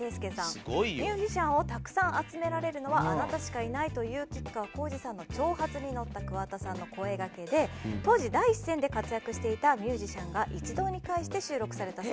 ミュージシャンをたくさん集められるのはあなたしかいないという吉川晃司さんの挑発にのった桑田さんの声がけで当時第一線で活躍していたミュージシャンが一堂に会して収録されたそうです。